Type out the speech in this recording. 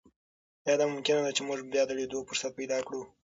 ایا دا ممکنه ده چې موږ بیا د لیدو فرصت پیدا کړو؟